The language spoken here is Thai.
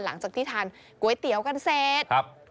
หลังจากที่ทานก๋วยเตี๋ยวกันเสร็จ